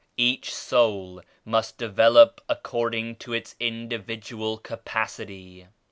Each soul must develop according to its individual capacity.